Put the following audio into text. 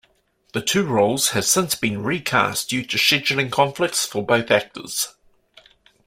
The two roles have since been recast due to scheduling conflicts for both actors.